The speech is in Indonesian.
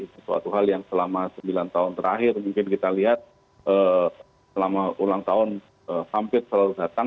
sesuatu hal yang selama sembilan tahun terakhir mungkin kita lihat selama ulang tahun hampir selalu datang